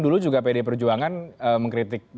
dulu juga pd perjuangan mengkritik